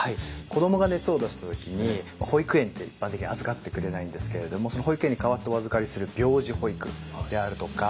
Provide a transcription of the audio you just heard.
子どもが熱を出した時に保育園って一般的に預かってくれないんですけれどもその保育園に代わってお預かりする病児保育であるとか。